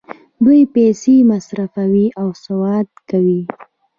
دوی پیسې مصرفوي او سودا کوي.